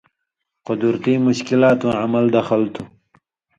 قدرتی مشکلاتواں عمل دخل تُھو۔